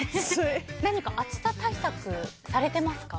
何か暑さ対策、されてますか？